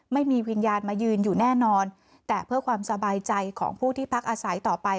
ไม่มีวิญญาณมายืนอยู่แน่นอนแต่เพื่อความสบายใจของผู้ที่พักอาศัยต่อไป